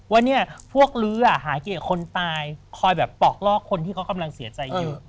ว่าเนี่ยพวกลื้อหาเกี่ยวกับคนตายคอยแบบปอกลอกคนที่เขากำลังเสียใจอยู่